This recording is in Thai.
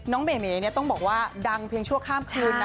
เบเมเนี่ยต้องบอกว่าดังเพียงชั่วข้ามคืนนะ